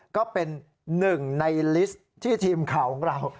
ก็เป็นหนึ่งในลิสต์ที่ทีมข่าวของเรา